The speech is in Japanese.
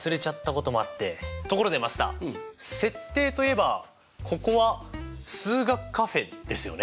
ところでマスター設定といえばここは数学カフェですよね。